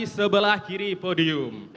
sebelah kiri podium